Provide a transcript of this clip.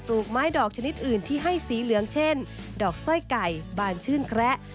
ลูกไม้ดอกชนิดอื่นที่ให้สีเหลืองเช่นดอกสร้อยไก่บานชื่นแคระ